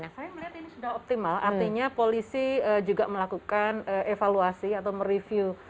saya melihat ini sudah optimal artinya polisi juga melakukan evaluasi atau mereview